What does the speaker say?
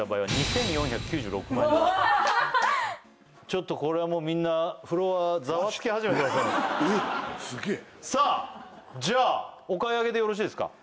ちょっとこれはもうみんなフロアえっすげえさあじゃあお買い上げでよろしいですか？